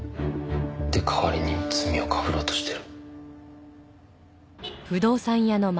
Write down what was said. で代わりに罪をかぶろうとしてる。